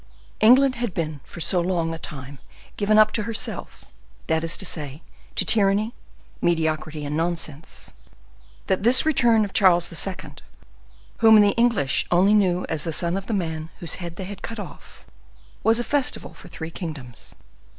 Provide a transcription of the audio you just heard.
England had been for so long a time given up to herself—that is to say, to tyranny, mediocrity and nonsense—that this return of Charles II., whom the English only knew as the son of the man whose head they had cut off, was a festival for three kingdoms.